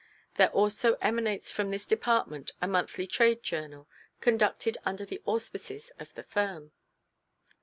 There also emanates from this department a monthly trade journal, conducted under the auspices of the firm.